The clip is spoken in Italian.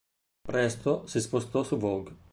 Presto si spostò su "Vogue".